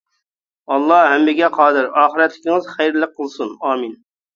ئاللا ھەممىگە قادىر ئاخىرەتلىكىڭىز خەيرلىك قىلسۇن. ئامىن.